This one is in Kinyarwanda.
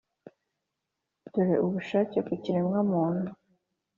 dore ubushake ku kiremwa-muntu.